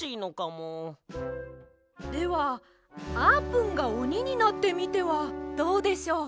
ではあーぷんがおにになってみてはどうでしょう？